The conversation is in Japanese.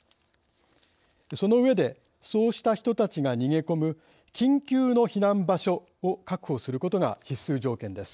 その上でそうした人たちが逃げ込む緊急の避難場所を確保することが必須条件です。